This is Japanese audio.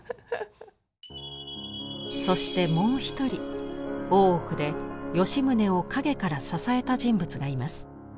そしてもう一人大奥で吉宗を陰から支えた人物がいます。